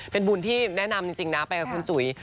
เป็นบุญที่แนะนำจริงนะไปกับคุณจุ๋ย